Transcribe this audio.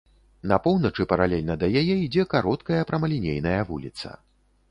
На поўначы паралельна да яе ідзе кароткая прамалінейная вуліца.